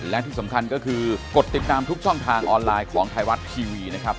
และที่สำคัญก็คือกดติดตามทุกช่องทางออนไลน์ของไทยรัฐทีวีนะครับ